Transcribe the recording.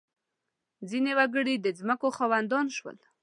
• ځینې وګړي د ځمکو خاوندان شول.